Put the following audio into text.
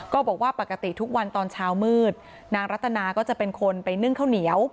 บอกว่าปกติทุกวันตอนเช้ามืดนางรัตนาก็จะเป็นคนไปนึ่งข้าวเหนียว